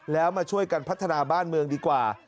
แล้วมาช่วยกันพัฒนาบ้านเมืองดีกว่า